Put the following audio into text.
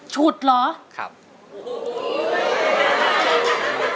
ชุดเหรอครับโอ้โฮ